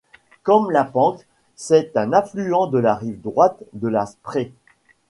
Comme la Panke, c'est un affluent de la rive droite de la Sprée.